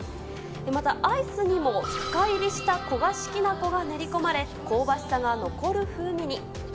またアイスにも深いりした焦がしきな粉が練り込まれ、香ばしさが残る風味に。